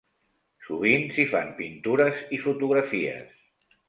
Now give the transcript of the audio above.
Sovint s'hi fan pintures i fotografies.